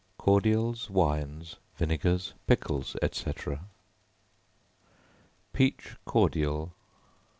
CORDIALS, WINES, VINEGAR, PICKLES, &c. Peach Cordial.